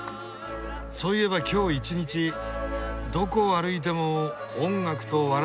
そういえば今日１日どこを歩いても音楽と笑い声が絶えなかった。